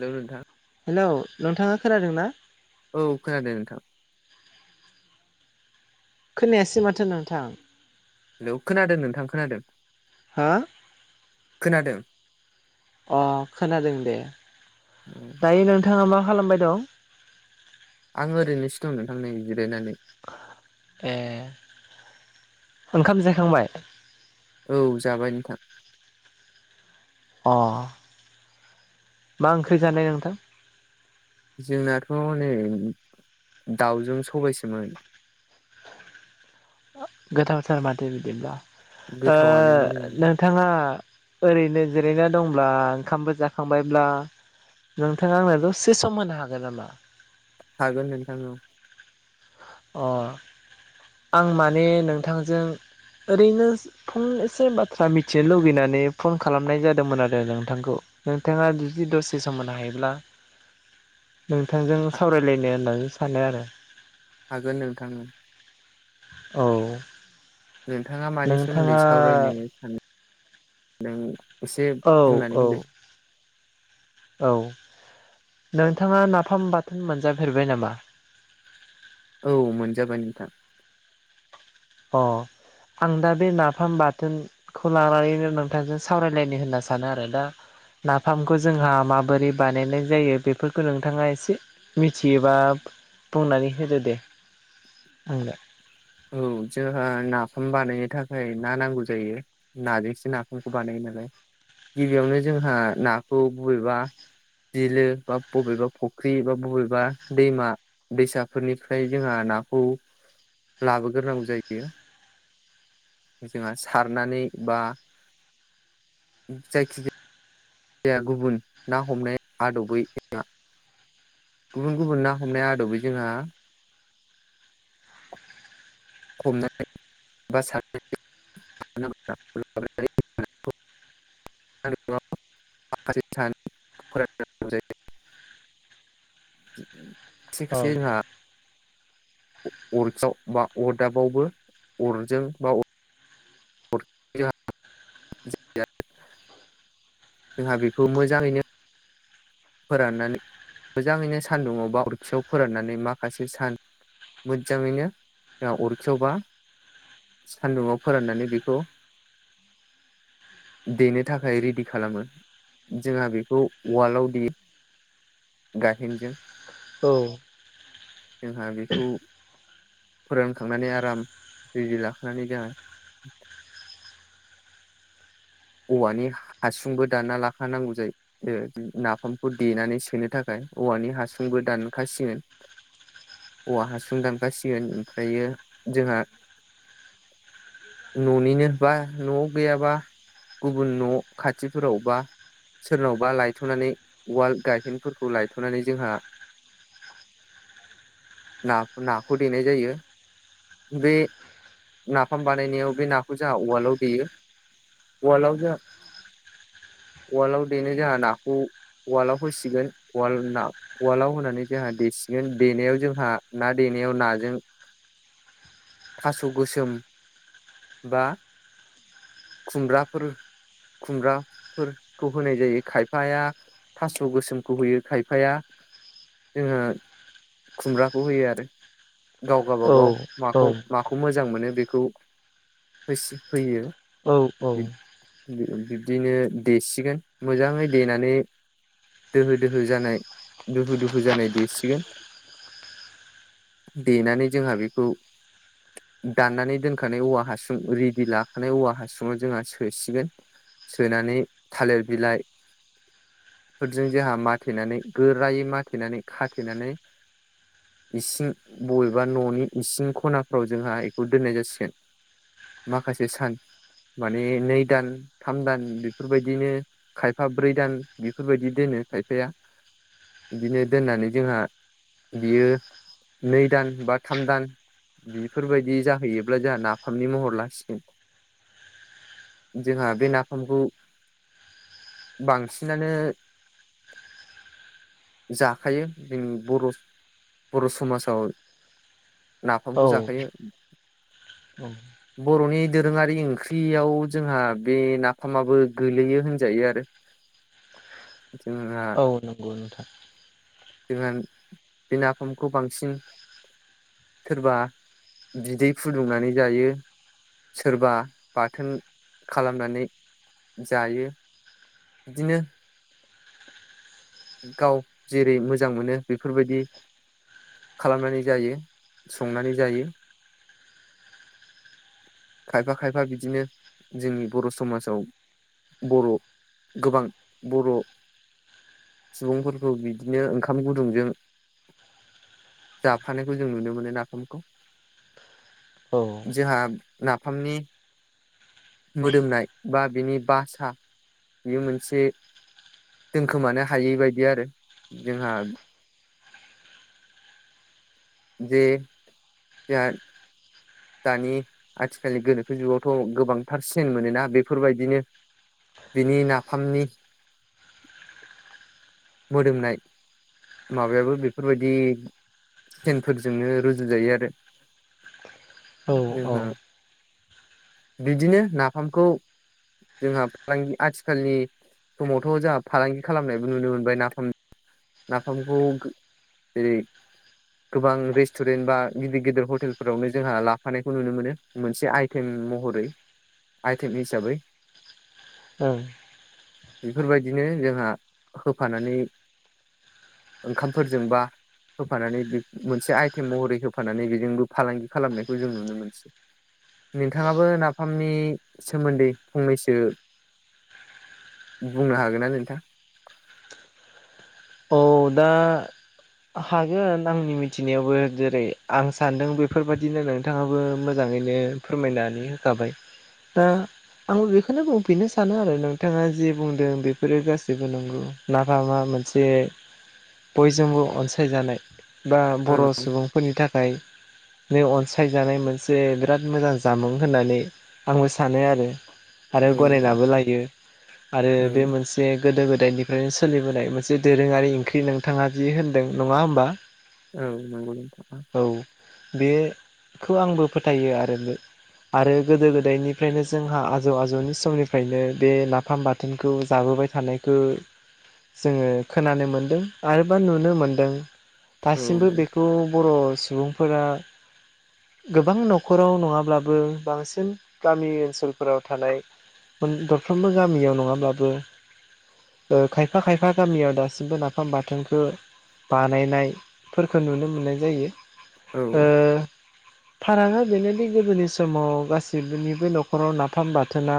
Hello नोंथां। Hello नोंथाङा खोनादों ना? औ खोनादों नोंथां। खोनायासै माथो नोंथां? हेलौ खोनादों नोंथां खोनादों। हा खोनादों। अ खोनादों दे दायो नोंथाङा मा खालामबाय दं। आं ओरैनोसो दं नोंथां नै जिरायनानै ए ओंखाम जायखांबाय। औ जाबाय नोंथां। औ। मा ओंख्रि जानाय नोंथां? जोंनाथ' नै दाउजों सबायसोमोन गोथावथार माथो बिदिब्ला गोथावानोमोन ओं। नोंथां? बिथाङा ओरैनो जिरायना दंब्ला ओंखामबो जाखांबायब्ला नोंथाङा आंनो दसे सम होनो हागोन नामा? हागोन नोंथां औ। अ आं माने नोंथांजों ओरैनो फन एसे बाथ्रा मिथिनो लुुबैनानै फन खालामनाय जादोंमोन आरो नोंथांखौ। नोंथाङा जुदि दसे सम होनो हायोब्ला नोंथांजों सावरायलायनो होननानै सानो आरो। हागोन नोंथां औ। औ। नोंथाङा मानि सोमोन्दै नोंथाङा सावरायनो सानो औ औ। औ नोंथाङा नाफाम बाथोन मोनजाफेरबाय नामा? औ मोनजाबाय नोंथां‌। अ आं दा बे नाफाम बाथोन खौ लानानैनो नोंथांजों सावरायलायनो होनना सानो आरो दा नाफामखौ जोंहा माबोरै बानायनाय जायो बेफोरखौ नोंथाङा एसे मिथियोबा बुंनानै होदो दे आंनो औ जोंहा नाफाम बानायनो थाखाय ना नांगौ जायो नाजोंसो नाखौामखौ बानायो नालाय गिबियावनो जोंहा नाखौ बबेबा बिलो बा बबेबा फुख्रि बा बबेबा दैमा दैसाफोरनिफ्राय जोंहा नाखौ लाबोग्रोनांगौ जायो जोंहा सारनानै बा जायखिजाया गुबुन ना हमनाय आदबै ए गुबुन गुबुन ना हमनाया आदबै जोंहा हमनानै बा सारनानै सानदुंआव फोरानना दोननाय जायो खायसे खायसे औ जाहा अरखाव बा अरदाबावबो अरजों बा [unintelligible] जोंहा बेखौ मोजांङैनो फोराननानै मोजांङैनो सानदुंङआव बा उरखियाव फोराननानै माखासे सान मोजांङैनो जोंहा अरखिवाबा सान्दुुंवा फोराननानै बेखौ देनो थाखाय रेडि खालामो जोंहा बेखौ वालाव दे गाहेनजों औ जोंहा बेखौ फोरानखांनानै आराम लाखानै जोंहा औवानि हासुंबो दाना लाखाानांगौ जायो नाफामखौ देनानै सोनो थाखाय औवानि हासुंबो दानखासिगोन औवा हासुं दानखाासिगोन ओमफ्रायो जोंहा न'निनो बा न'आव गैयाबा गुबुन न' खाथिफोरावबा सोरनावबा लायथ'नानै उवाल गाइहेनफोरखौ लायथ'नानै जोंहा [inaudible] ना नाखौ देनाय जायो बे नाफाम बानायनायाव बे नाखौ जोंहा उवालाव दैेयो उवालाव जा उवालावनो नाखौ उवालआव होैसिगोन उवाल ना उवालाव होनानै जोंहा देसिगोन देनायाव जोंहा ना देनायाव नाजों थास' गोसोम बा खुमब्राफोर खुमब्राफोरखौ होनाय जायो खायफाया थास' गोसोमखौ होयो खायफाया जोंङो खुमब्राखौ होयो आरो गाव गबागाव माखौ औ माखौ खौ मोजां मोनो बेखौ फसि फैयो औ औ बिब्दिनो देसिगोन मोजांङै देनानै दोहो दोहो जानाय दुहु दुहु जानाय देसिगोन देनानै जोंहा बेखौ दाननानै दोनखानाय औवा हासुं रेडि लाखानाय औवा हासुं जोंहा सोसिगोन सोनानै थालिर बिलाइ फोरजों जोंहा माथेनानै गोरायै माथेनानै खाथेनानै इसिं बबेबा न'नि इसिं खनाफ्राव जोंहा बेखौ दोननाय जासिगोन माखासे सान माने नै दान थाम दान बेफोरबायदिनो खायफा ब्रै दान बेफोरबायदि दोनो खायफाया बिदिनो दोननानै जोंहा बियो नै दान बा थाम दान बिफोरबायदि जाहैयोब्ला जोंहा नाफामनि महर लासिगोन जोंहा बे नाफामखौ बांसिनानो जाखायो जों बर' बर' समाजाव औ नाफामखौ जाखायो औ बर'नि दोरोङारि ओंख्रि याव जोंहा बे नाफामाबो गोलैयो होनजायो आरो जोंहा औ नंगौ नोंथां [inaudible] जोंहा बे नाफामखौ बांसिन सोरबा बिदै फुदुंनानै जायो सोरबा बाथोन खालामनानै जायो। बिदिनो गाव जेरै मोजां मोनो बेफोरबायदि खालामनानै जायो संनानै जायो। [inaudible] खायफा खायफा बिदिनो जोंनि बर' समाजाव बर' गोबां बर' सुबुंफोरखौ बिदिनो ओंखाम गुदुंजों जाफानायखौ जों नुनो मोनो नाफामखौ औ जोंहा नाफामनि मोदोमनाय बा बिनि बासा बेयो मोनसे दोनखोमानो हायै बायदि आरो जोंहा जे [unintelligible] दानि आथिखालनि गोनोखो जुगावथ' गोबांथार सिनायनो मोनोना बे बेफोरबायदिनो बिनि नाफामनि [inaudible] मोदोमनाय माबायाबो बेफोरबायदि सेनफोरजोंनो रुजुजायो आरो। औ औ जोंहा बिदिनो नाफामखौ जोंहा फालांगि आथिखालनि समावथ' जोंहा फालांगि खालामनायबो नुनो मोनबाय नाफामनि नाफामखौ जेरै गोबां रेस्टुरेन्ट बा गिदिर गिदिर हटेलफोरावनो जोंहा लाफानायखौ नुनो मोनो मोनसे आइटेम महरै। आइथेम हिसाबै ओम बेफोरबायदिनो जोंहा होफानानै ओंखामफोरजोंबा होफानानै बे मोनसे आइटेम महरै होफानानै बेजोंबो फालांगि खालामनायखौ जों नुनो मोनसै। नोंथाङाबो नाफामनि सोमोन्दै फंनैसो बुंनो हागोन ना नोंथां। औ दा हागोन आंनि मिथिनायावबो जेरै आं सानदों बेफोरबायदिनो नों ङाबो मोजाङैनो फोरमायनानै होखाबाय दा आंबो बेखौनो बुंफिननो सानो आरो नोंथाङा जे बुंदों बेफोरो गासैबो नंगौ। नाफामा मोनसे बयजोंबो अनसायजानाय बा औ बर' सुबुं फोरनि थाखाय नै अनसायजानाय मोनसे बिराद मोजां जामुं होननानै आंबो सानो आरो आरो औ गनायनाबो लायो आरो औ बे मोन से गोदो गोदायनिफ्रायनो सोलिबोनाय मोनसे दोरोङारि ओख्रि नोंथाङा जि होनदों नङा होमबा। औ नंगौ नोंथां औ बेखौ आंबो फोथायो आरो आरो गोदो गोदायनिफ्रायनो जोंहा आजौ आजौनि समनिफ्रायनो बे लाफाम बा थोनखौ जाबोबाय थानायखौ जोङो खोनानो मोन दो आरोबा नुनो मोनदों औ दासिमबो बेखौ बर' सुबुंफोरा गोबां न'खराव नङाब्लाबो बांसिन गामि ओनसोलफोराव थानाय दरफ्रोमबो गामियाव नङाब्लाबो खायफा खायफा गामियाव दासिमबो ना फाम बाथोनखो बानायनायफोरखौ नुनो मोननाय जायो। औ ओ फारागा बेनोदि गोदोनि समाव गाससिनिबो न'खराव नाफाम बाथोना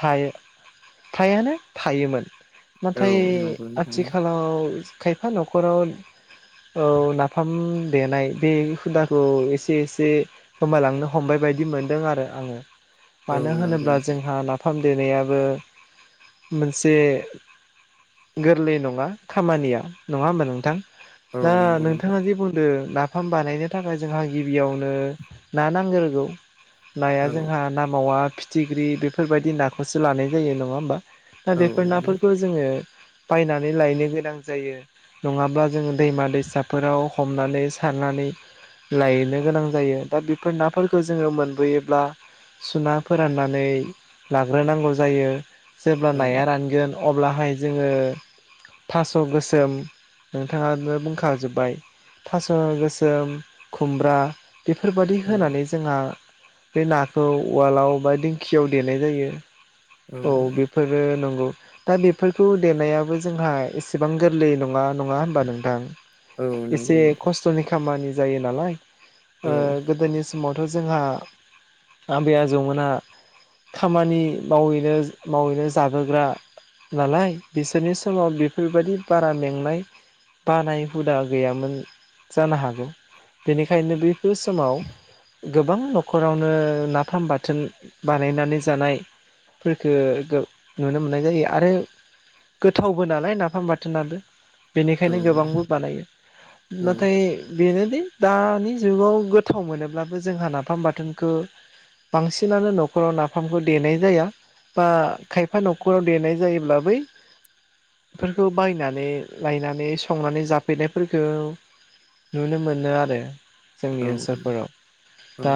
थायो फ्रायानो थायोमोन औ नाथाय नंगौ नोंथां आथिखालाव खायफा न'खराव औ नाफाम देनाय बे हुदाखौ एसे एसे गोमायालांनो हमबाय बायदि मोनदों आरो आङो औ मानो नंगौ होनोब्ला नोंथां जोंहा ना फाम देनायाबो मोनसे गोरलै नङा खामानिया नङा होमबा नोंथां औ दा नंगौ नोंथां नोंथाङा जे बुंदों ना फाम बानायनो थाखाय जोंहा गिबियावनो ना नांग्रोगौ नाया औ जोंहा ना मावा फिथिख्रि बेफोरबायदि नाखौसो लानाय जायो नङा होमबा दा औ बेफोर नंगौ नाफोरखौ जोङो बायनानै लायनो गो नां जायो नङाब्ला जोङो दैमा दैसाफोराव हमनानै सारनानै लायनो गोनां जायो दा बेफोर नाफोरखौ जोङो मोनबोयोब्ला सुना फोराननानै लाग्रोनांगौ जायो जेब्ला औ नाया रानगोन अब्लाहाय जोङो थास गोसोम नोंथाङानो बुंखाजोब्बाय थास गोसोम खुमब्रा बेफोरबायदि औ होनानै जोंहा बे नाखौ उवालाव बा दिंखियाव देनाय जायो। औ बेफोरो नंगौ। दा बेफोरखौ देनायाबो जोंहा एसेबां गोरलै नङा नङा होनोमबा नोंथां औ नंगौ एसे नोंथां खस्थनि खामानि जायो नालाय औ ओ गोदोनि समावथ जोंहा आबै आजौमोनहा खामानि मावैनो मावैनो जाबोग्रा नालाय बिसोरनि समाव बेफोरबायदि बारा मेंनाय बानाय हुदा गैयामोन जानो हागौ बेनिखायनो बेफोर समाव गोबां न'खरावनो नाफाम बाथोन बानायनानै जानाय फोरखो गो नुनो मोननाय जायो आरो गोथावबो नालाय नाफाम बाथोनाबो औ बेनिखायनो गोबांबो बानायो नाथाय बेनोदि दानि जुगाव गोथाव मोनोब्लाबो जोंहा नाफाम बाथोनखो बांसिनानो न'खराव नाफामखौ देनाय जाया बा खायफा न'खराव देनाय जायोब्ला बै फोरखौ बायनानै लायनानै संनानै जाफैनायफोरखौ नुनो मोनो आरो जोंनि औ ओनसोलफोराव दा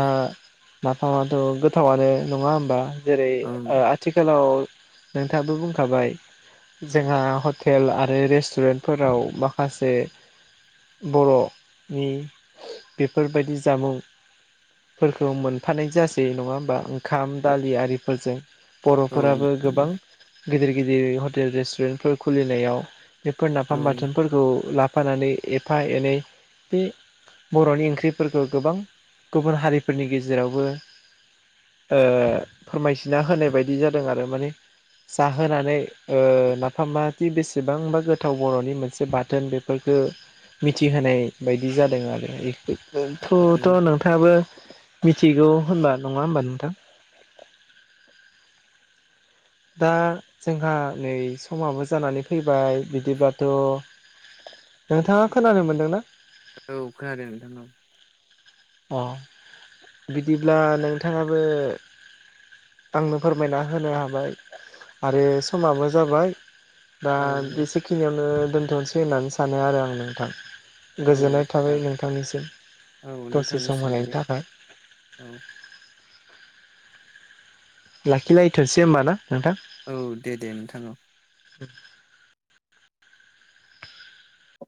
नाफामाथ गोथावानो नङा होमबा जेरै ओ आथिखालाव नोंथाङाबो बुंखाबाय जोंहा हटेल आरो रेस्टुरेन्टफोराव माखासे बर'नि बेफोरबायदि जामुं फोरखौ मोनफानाय जासै नङा होमबा ओंखाम दालि आरिफोरजों औ बर'फोराबो गोबां गिदिर गिदिर हटेल रेस्टुरेन्टफोर खुलिनायाव बेफोर नाफाम बाथोनफोरखौ लाफानानै एफा एनै बे बर'नि ओंख्रिफोरखौ गोबां गुबुन हारिफोरनि गेजेरावबो ओ फोरमायथिना होनाय बायदि जादों आरो माने जाहोनानै ओ नाफामादि बेसेबांबा गोथाव बर'नि मोनसे बाथोन बे फोरखौ मिथिहोनाय बायदि जादों आरो बे बेथ'थ' नोंथाङाबो मिथिगौ होनबा नङा होमबा नोंथां? दा जोंहा नै समाबो जानानै फैबाय बिदिब्लाथ' नोंथाङा खोनानो मोनदोंना? औ खोनादों नोंथां औ अ बिदिब्ला नोंथाङाबो आंनो फोरमायना होनो हाबाय आरो समाबो जाबाय दा औ बेसे खिनियावनो दोनथ'नोसै होननानै सानो आरो आं नोंथां। औ गोजोननाय थाबाय नोंथांनिसिम औ दसे सम नोंथांनिसिमबो होनायनि दे थाखाय औ लाखिलायथ'सै होमबा ना नोंथां? औ दे दे नोंथां औ